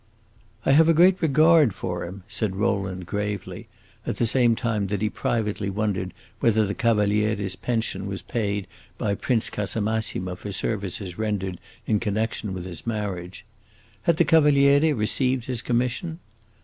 "I have a great regard for him," said Rowland, gravely, at the same time that he privately wondered whether the Cavaliere's pension was paid by Prince Casamassima for services rendered in connection with his marriage. Had the Cavaliere received his commission?